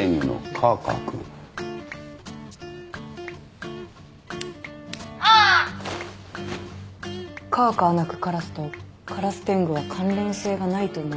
カーカー鳴くカラスとからす天狗は関連性がないと思いますが。